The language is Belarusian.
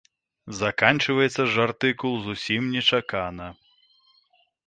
Заканчваецца ж артыкул зусім нечакана.